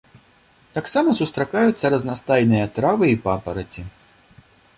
Таксама сустракаюцца разнастайныя травы і папараці.